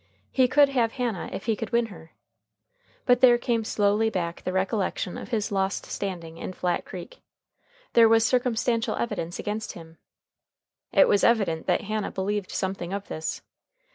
He could have Hannah If he could win her. But there came slowly back the recollection of his lost standing in Flat Creek. There was circumstantial evidence against him. It was evident that Hannah believed something of this.